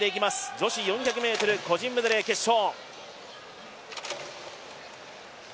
女子４００ｍ個人メドレー決勝。